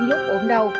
lúc ốm đau